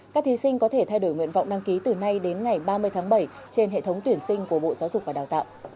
các thí sinh có thể thay đổi nguyện vọng đăng ký từ nay đến ngày ba mươi tháng bảy trên hệ thống tuyển sinh của bộ giáo dục và đào tạo